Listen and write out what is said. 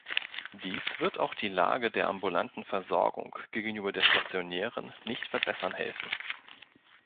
Dies wird auch die Lage der ambulanten Versorgung gegenüber der stationären nicht verbessern helfen.